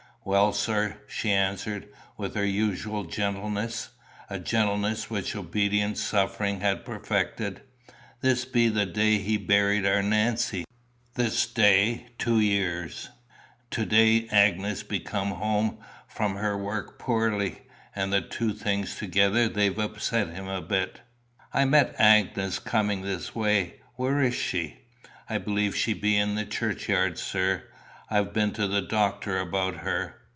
"Well, sir," she answered, with her usual gentleness, a gentleness which obedient suffering had perfected, "this be the day he buried our Nancy, this day two years; and to day Agnes be come home from her work poorly; and the two things together they've upset him a bit." "I met Agnes coming this way. Where is she?" "I believe she be in the churchyard, sir. I've been to the doctor about her."